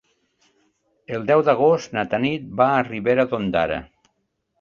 El deu d'agost na Tanit va a Ribera d'Ondara.